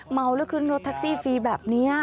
เมาแล้วขึ้นรถแท็กซี่ฟรีแบบนี้